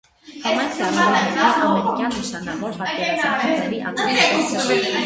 Համայնքն առավել հայտնի էր ամերիկյան նշանավոր պատկերազարդողների աննախադեպ թվով։